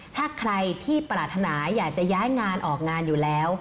ถ้าใครที่ปรารถนาอยากจะย้ายงานออกงานอยู่แล้ว